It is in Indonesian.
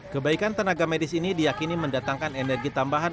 kebaikan tenaga medis ini diakini mendatangkan energi tambahan